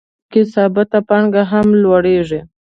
په دې حالت کې ثابته پانګه هم لوړېږي